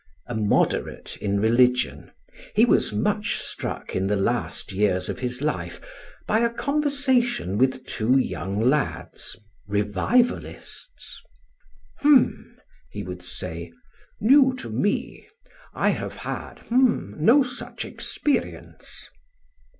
A moderate in religion, he was much struck in the last years of his life by a conversation with two young lads, revivalists. "H'm," he would say "new to me. I have had h'm no such experience."